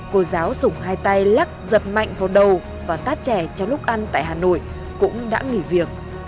cô giáo dùng hai tay lắc giật mạnh vào đầu và tát trẻ trong lúc ăn tại hà nội cũng đã nghỉ việc